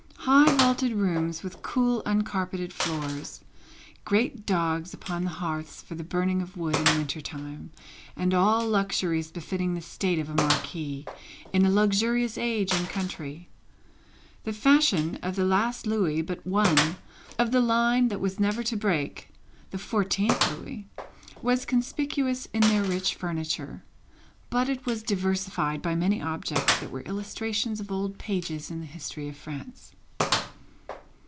High vaulted rooms with cool uncarpeted floors, great dogs upon the hearths for the burning of wood in winter time, and all luxuries befitting the state of a marquis in a luxurious age and country. The fashion of the last Louis but one, of the line that was never to break the fourteenth Louis was conspicuous in their rich furniture; but, it was diversified by many objects that were illustrations of old pages in the history of France.